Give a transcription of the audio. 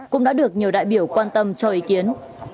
cũng đã được nhiều đại biểu quan tâm cho ý kiến